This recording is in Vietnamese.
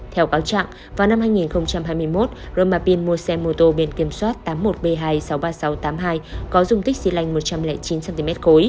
theo cáo trạng vào năm hai nghìn hai mươi một roman pin mua xe mô tô biển kiểm soát tám mươi một b hai sáu mươi ba nghìn sáu trăm tám mươi hai có dung tích xy lanh một trăm linh chín cm khối